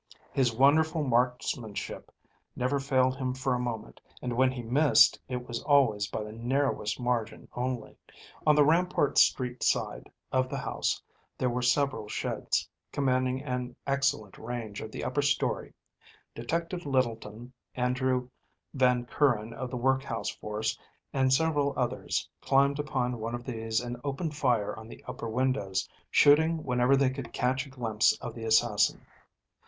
His wonderful marksmanship never failed him for a moment, and when he missed it was always by the narrowest margin only. On the Rampart Street side of the house there are several sheds, commanding an excellent range of the upper story. Detective Littleton, Andrew Van Kuren of the Workhouse force and several others climbed upon one of these and opened fire on the upper windows, shooting whenever they could catch a glimpse of the assassin.